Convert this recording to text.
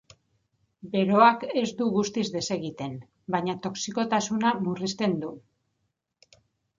Beroak ez du guztiz desegiten, baina toxikotasuna murrizten du.